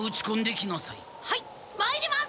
はいまいります！